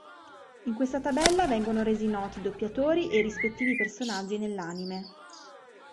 In questa tabella vengono resi noti i doppiatori e i rispettivi personaggi nell'anime.